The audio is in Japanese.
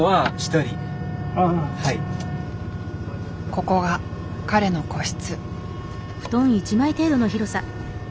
ここが彼の個室。